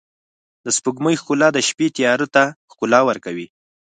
د سپوږمۍ ښکلا د شپې تیاره ته ښکلا ورکوي.